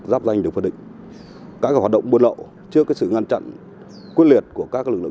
giáp danh được phân định các hoạt động buôn lậu trước sự ngăn chặn quyết liệt của các lực lượng